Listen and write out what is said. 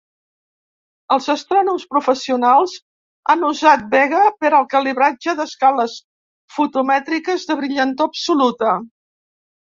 Els astrònoms professionals han usat Vega per al calibratge d'escales fotomètriques de brillantor absoluta.